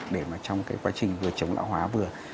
để mà trong cái quá trình vừa chống lão hóa vừa